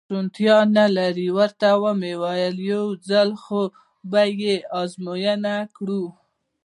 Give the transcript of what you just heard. شونېتیا نه لري، ورته مې وویل: یو ځل خو به یې ازموینه کړو.